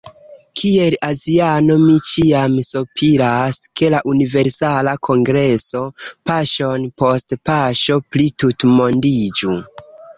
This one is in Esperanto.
Kiel aziano mi ĉiam sopiras ke la Universala Kongreso paŝon post paŝo plitutmondiĝu.